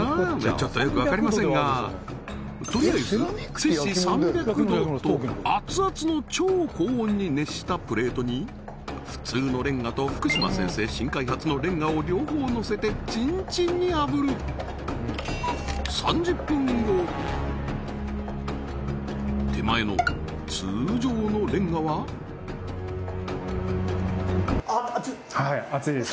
ちょっとよく分かりませんがとりあえずセ氏３００度とアツアツの超高温に熱したプレートに普通のレンガと福島先生新開発のレンガを両方のせてチンチンにあぶる手前の通常のレンガははい熱いです